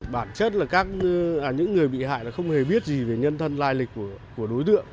bản chất là những người bị hại không hề biết gì về nhân thân lai lịch của chúng ta